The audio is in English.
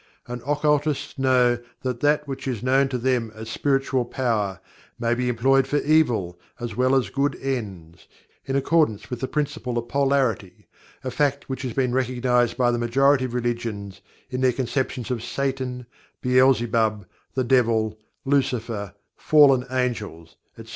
And occultists know that that which is known to them as "Spiritual Power" may be employed for evil as well as good ends (in accordance with the Principle of Polarity), a fact which has been recognized by the majority of religions in their conceptions of Satan, Beelzebub, the Devil, Lucifer, Fallen Angels, etc.